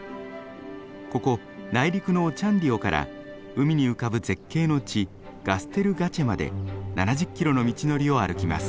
ここ内陸のオチャンディオから海に浮かぶ絶景の地ガステルガチェまで７０キロの道のりを歩きます。